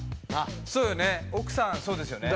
そうよね。